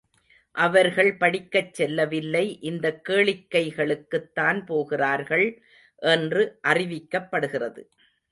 அவர்கள் படிக்கச் செல்லவில்லை இந்தக் கேளிக்கைகளுக்குத்தான் போகிறார்கள் என்று அறிவிக்கப்படுகிறது.